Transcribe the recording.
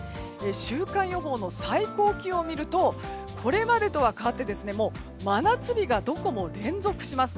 週間予報の最高気温を見るとこれまでとは変わって真夏日がどこも連続します。